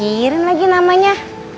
belum mikirin lagi namanya